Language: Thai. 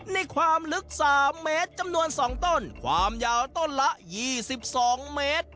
ในความลึก๓เมตรจำนวน๒ต้นความยาวต้นละ๒๒เมตร